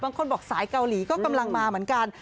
บางคนบอกสายเกาหลีก็กำลังมาเหมือนกัน